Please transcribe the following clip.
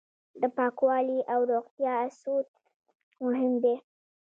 د پاکوالي او روغتیا اصول مهم دي.